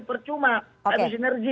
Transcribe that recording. percuma ada sinergi